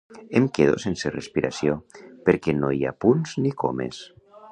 Em quedo sense respiració perquè no hi ha punts ni comes.